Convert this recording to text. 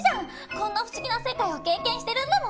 こんな不思議な世界を経験してるんだもん。